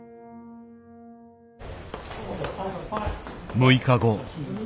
６日後。